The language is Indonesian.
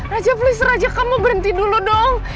raja please raja kamu berhenti dulu dong